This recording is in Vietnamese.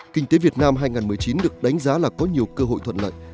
kinh tế việt nam hai nghìn một mươi chín được đánh giá là có nhiều cơ hội thuận lợi